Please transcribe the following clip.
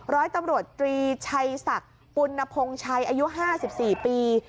ร้อยตำรวจตรีชัยศักดิ์ปุณพงชัยอายุ๕๔ปี